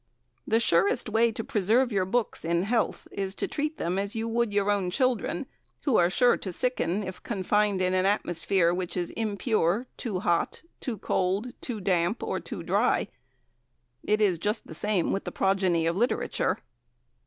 The surest way to preserve your books in health is to treat them as you would your own children, who are sure to sicken if confined in an atmosphere which is impure, too hot, too cold, too damp, or too dry. It is just the same with the progeny of literature.